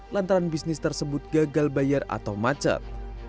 lantaran bisnis tersebut gagal bayar atau macet